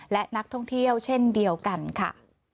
และนักท่องเที่ยวเช่นเดียวกันค่ะ